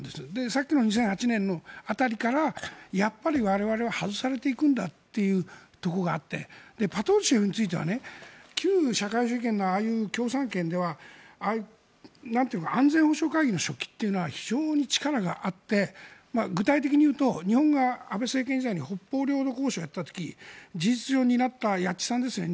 さっきの２００８年辺りからやっぱり我々は外されていくんだというところがあってパトルシェフについては旧社会主義圏のああいう共産圏では安全保障会議の書記というのは非常に力があって具体的に言うと日本が安倍政権時代に北方領土交渉をやっていた時事実上になった谷内さんですね。